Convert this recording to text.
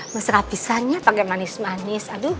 mesra pisahnya pakai manis manis